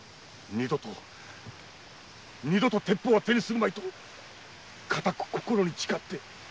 二度と鉄砲は手にするまいと固く心に誓って。